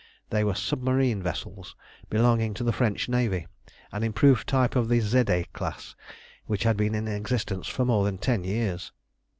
They were submarine vessels belonging to the French navy, an improved type of the Zédé class, which had been in existence for more than ten years.